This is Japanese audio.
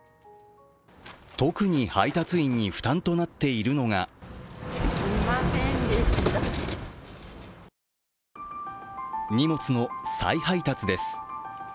特に配達員に負担となっているのが荷物の再配達です。